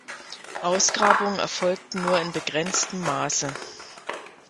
Ausgrabungen erfolgten nur in begrenztem Maße.